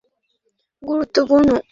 গুরুত্বপূর্ণ হলো তুমি চেষ্টা করেছ।